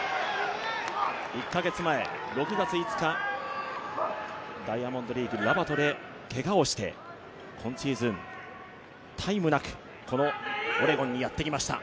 １カ月前、６月５日ダイヤモンドリーグでけがをして今シーズン、タイムなくこのオレゴンにやってきました。